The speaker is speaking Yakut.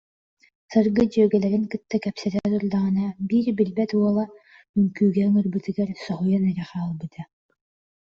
Саргы дьүөгэлэрин кытта кэпсэтэ турдаҕына, биир билбэт уола үҥкүүгэ ыҥырбытыгар соһуйан эрэ хаалбыта